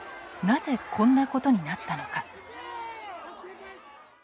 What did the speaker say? なぜ、こんなことになったのか。